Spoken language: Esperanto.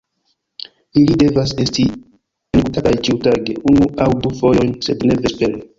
Ili devas esti engutataj ĉiutage unu aŭ du fojojn, sed ne vespere.